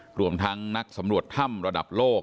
รวมทั้งนักสำรวจถ้ำระดับโลก